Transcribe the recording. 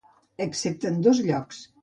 Excepte en dos llocs.